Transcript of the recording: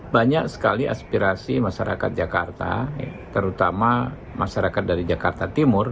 banyak sekali aspirasi masyarakat jakarta terutama masyarakat dari jakarta timur